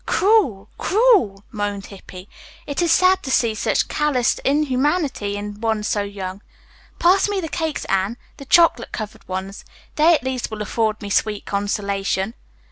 "Cruel, cruel," moaned Hippy. "It is sad to see such calloused inhumanity in one so young. Pass me the cakes, Anne, the chocolate covered ones. They, at least, will afford me sweet consolation."